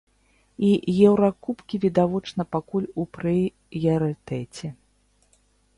І еўракубкі, відавочна, пакуль у прыярытэце.